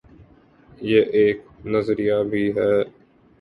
یہ ایک نظریہ بھی ہے۔